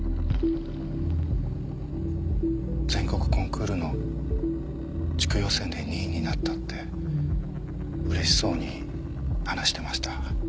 全国コンクールの地区予選で２位になったって嬉しそうに話してました。